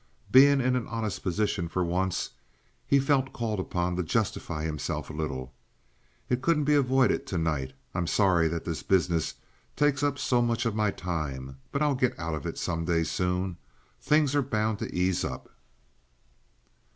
Being in an honest position for once, he felt called upon to justify himself a little. "It couldn't be avoided to night. I'm sorry that this business takes up so much of my time, but I'll get out of it some day soon. Things are bound to ease up."